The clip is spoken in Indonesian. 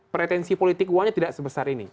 pretensi politik uangnya tidak sebesar ini